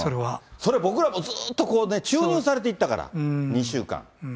それ、僕らもずっと注入されていったから、２週間。